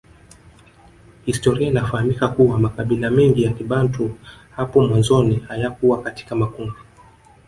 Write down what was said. Historia inafahamika kuwa makabila mengi ya kibantu hapo mwanzoni hayakuwa katika makundi